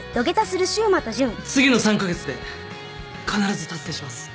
次の３カ月で必ず達成します。